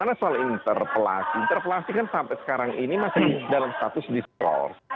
karena soal interpelasi interpelasi kan sampai sekarang ini masih dalam status distor